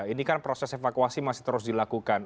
ini kan proses evakuasi masih terus dilakukan